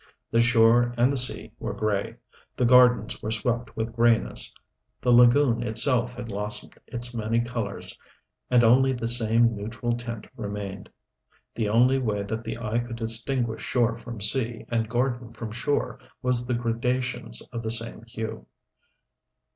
The shore and the sea were gray, the gardens were swept with grayness, the lagoon itself had lost its many colors and only the same neutral tint remained. The only way that the eye could distinguish shore from sea, and garden from shore, was the gradations of the same hue.